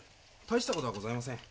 大した事はございません。